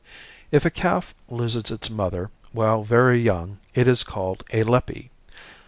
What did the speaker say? If a calf loses its mother while very young it is called a "leppy."